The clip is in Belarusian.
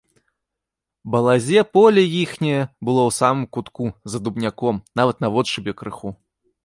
Балазе поле іхняе было ў самым кутку, за дубняком, нават наводшыбе крыху.